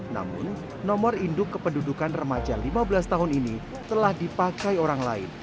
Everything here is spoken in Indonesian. namun nomor induk kependudukan remaja lima belas tahun ini telah dipakai orang lain